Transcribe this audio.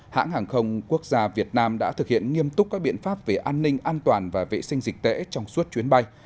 hãng hàng không quốc gia việt nam đã thực hiện nghiêm túc các biện pháp về an ninh an toàn và vệ sinh dịch tễ trong suốt chuyến bay